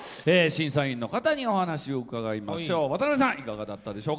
審査員の方にお話を伺いましょう。